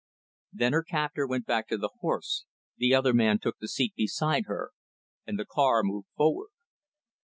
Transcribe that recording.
Then her captor went back to the horse; the other man took the seat beside her; and the car moved forward.